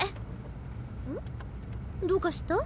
どうかした？